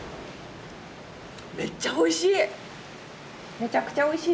めっちゃおいしい！